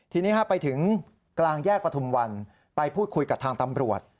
ทีนี้ไปถึงกลางแยกประทุมวันไปพูดคุยกับทางตำรวจ